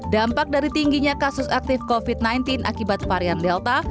dampak dari tingginya kasus aktif covid sembilan belas akibat varian delta